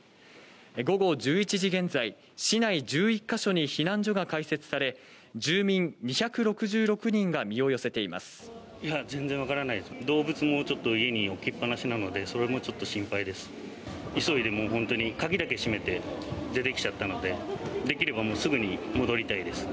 午後１１時現在、市内１１か所に避難所が開設され住民２６０人が身を寄せています。